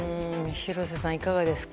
廣瀬さん、いかがですか。